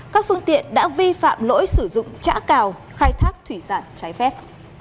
các phương tiện đã vi phạm lỗi sử dụng trã cào khai thác thủy sản trái phép